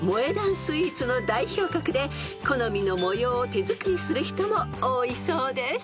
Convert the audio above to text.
スイーツの代表格で好みの模様を手作りする人も多いそうです］